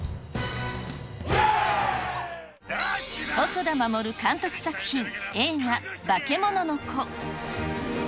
細田守監督作品、映画、バケモノの子。